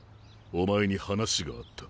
お前に話があった。